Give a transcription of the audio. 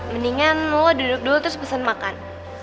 mendingan mau duduk dulu terus pesen makan